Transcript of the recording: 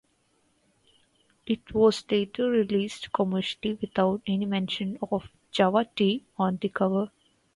It was later released commercially without any mention of "Java Tea" on the cover.